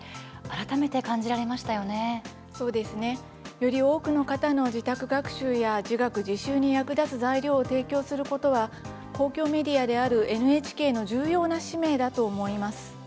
より多くの方の、自宅学習や自学・自習に役立つ材料を提供することは公共メディアであるＮＨＫの重要な使命だと思います。